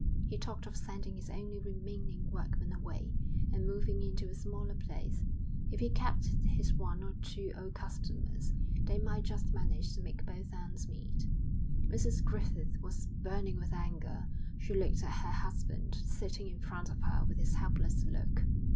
He talked of sending his only remaining workman away and moving into a smaller place. If he kept his one or two old customers, they might just manage to make both ends meet. Mrs Griffith was burning with anger. She looked at her husband, sitting in front of her with his helpless look.